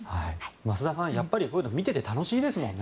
増田さん、やっぱりこういうの見ていて楽しいですね。